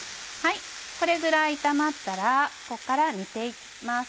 これぐらい炒まったらこっから煮て行きます。